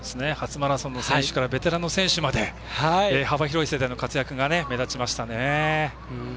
初マラソンの選手からベテランの選手まで幅広い世代の活躍が目立ちましたね。